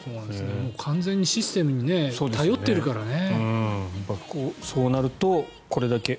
完全にシステムに頼ってるからね。